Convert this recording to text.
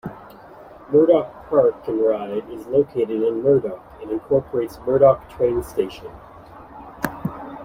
Murdoch Park 'n' Ride is located in Murdoch, and incorporates Murdoch Train Station.